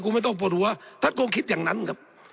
คุณไม่ต้องปวดหัวท่านก็คิดอย่างนั้นครับ